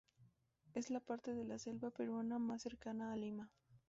Es la parte de la selva peruana más cercana a Lima.